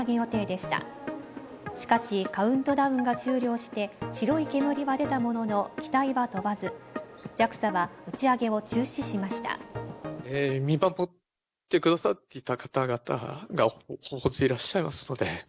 しかし、カウントダウンが終了して白い煙は出たものの、機体は飛ばず、ＪＡＸＡは打ち上げを中止しました。